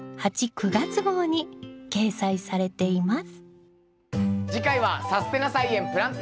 ９月号に掲載されています。